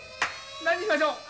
何にしましょう？